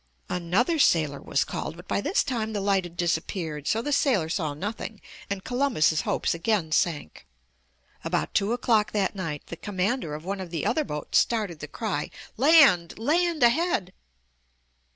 Another sailor was called, but by this time the light had disappeared, so the sailor saw nothing, and Columbus' hopes again sank. About two o'clock that night the commander of one of the other boats started the cry: *Tand, land ahead!"